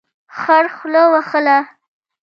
خر خوله وهله.